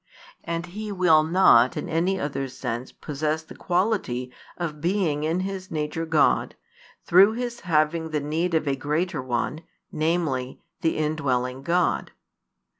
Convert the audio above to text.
And He will not in any other sense possess the quality of being in His nature God, through His having the need of a greater one, namely, the indwelling God.